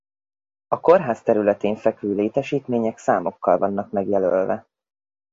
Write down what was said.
A kórház területén fekvő létesítmények számokkal vannak megjelölve.